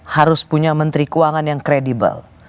harus punya menteri keuangan yang kredibel